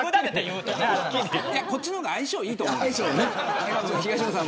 こっちの方が相性いいと思う。